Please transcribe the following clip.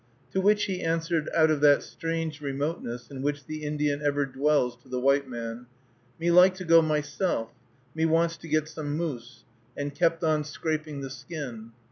To which he answered, out of that strange remoteness in which the Indian ever dwells to the white man, "Me like to go myself; me wants to get some moose;" and kept on scraping the skin.